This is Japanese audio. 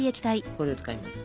これを使います！